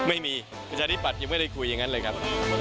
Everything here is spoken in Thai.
ไม่มีประชาธิบัตย์ยังไม่ได้คุยอย่างนั้นเลยครับ